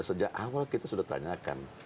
sejak awal kita sudah tanyakan